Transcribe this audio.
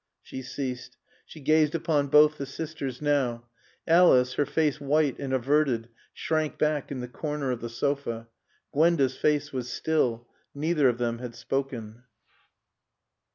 She ceased. She gazed upon both the sisters now. Alice, her face white and averted, shrank back in the corner of the sofa. Gwenda's face was still. Neither of them had spoken.